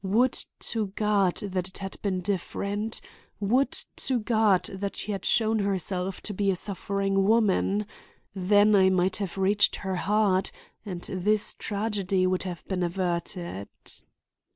Would to God that it had been different! Would to God that she had shown herself to be a suffering woman! Then I might have reached her heart and this tragedy would have been averted."